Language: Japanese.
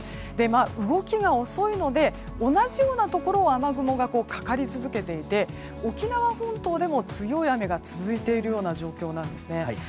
動きが遅いので同じようなところを雨雲がかかり続けていて沖縄本島でも強い雨が続いている状況なんですね。